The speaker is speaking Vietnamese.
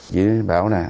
chị bảo nè